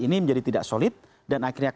ini menjadi tidak solid dan akhirnya